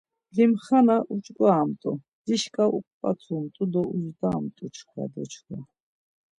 Limxana uç̌ǩoramt̆u, dişka uǩvatamtu do uzdamt̆u çkva do çkva.